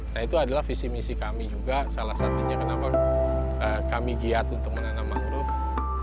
nah itu adalah visi misi kami juga salah satunya kenapa kami giat untuk menanam mangrove